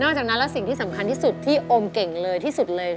จากนั้นแล้วสิ่งที่สำคัญที่สุดที่โอมเก่งเลยที่สุดเลย